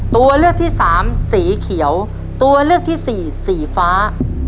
ตัวเลือกที่สามสีเขียวตัวเลือกที่สี่สีฟ้า